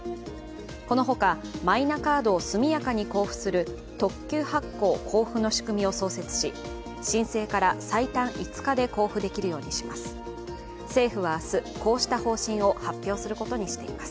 この他、マイナカードを速やかに交付する特急発行・交付の仕組みを創設し申請から最短５日で交付できるようにします。